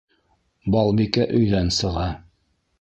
Балбикә өйҙән сыға.